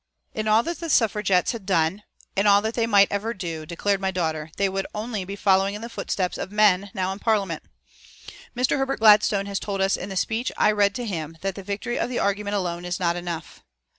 In all that the Suffragettes had done, in all that they might ever do, declared my daughter, they would only be following in the footsteps of men now in Parliament. "Mr. Herbert Gladstone has told us in the speech I read to him that the victory of argument alone is not enough.